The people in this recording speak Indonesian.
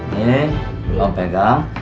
nih belum pegang